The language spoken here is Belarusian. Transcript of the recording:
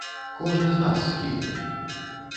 Кожны з нас схільны.